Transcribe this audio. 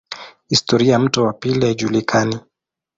Historia ya mto wa pili haijulikani.